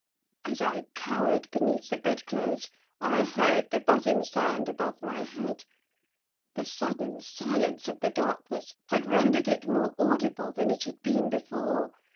As I cowered beneath the bedclothes I heard the buzzing sound above my head, the sudden silence of the darkness had rendered it more audible than it had been before.